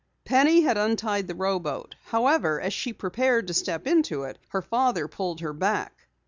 Penny had untied the rowboat. However, as she prepared to step into it, her father pulled her back.